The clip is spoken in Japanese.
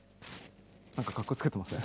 何かかっこつけてません？